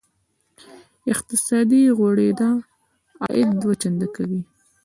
اقتصادي غوړېدا عاید دوه چنده کوي.